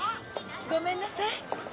ごめんなさい。